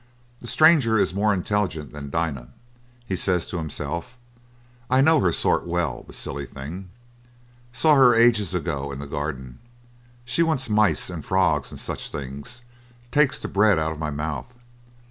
The stranger is more intelligent than Dinah. He says to himself, "I know her sort well, the silly thing. Saw her ages ago in the Garden. She wants mice and frogs and such things takes the bread out of my mouth.